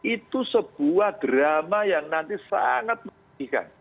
itu sebuah drama yang nanti sangat menyedihkan